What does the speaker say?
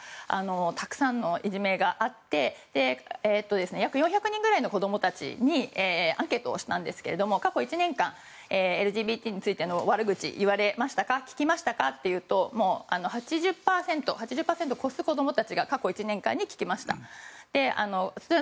たくさんのいじめがあって約４００人くらいの子供たちにアンケートをしたんですけど過去１年間ＬＧＢＴについての悪口を言われましたか聞きましたかというと８０％を超す子供たちが過去１年間に聞きましたと。